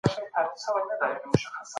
که په کاغذ کې کرښې نه وي.